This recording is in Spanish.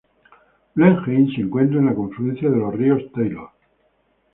Blenheim se encuentra en la confluencia de los ríos Taylor.